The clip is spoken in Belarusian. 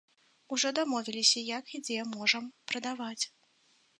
Ужо дамовіліся, як і дзе можам прадаваць.